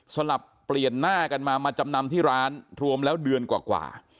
สลับเปลี่ยนหน้ากันมามาจำนำที่ร้านรวมแล้วเดือนกว่า